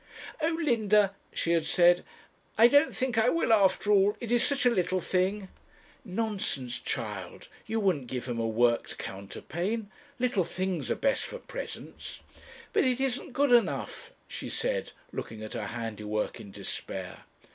'Oh, Linda,' she had said, 'I don't think I will, after all; it is such a little thing.' 'Nonsense, child, you wouldn't give him a worked counterpane; little things are best for presents.' 'But it isn't good enough,' she said, looking at her handiwork in despair.